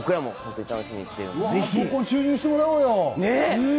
闘魂注入してもらおうよ。